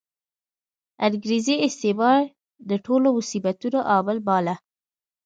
انګریزي استعمار یې د ټولو مصیبتونو عامل باله.